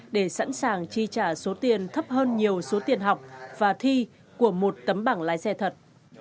để sẵn sàng chi trả số tiền thấp hơn nhiều số tiền học và thi của một tấm bảng lái xe thật